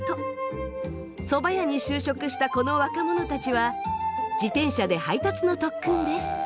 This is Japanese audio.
そば屋に就職したこの若者たちは自転車で配達の特訓です。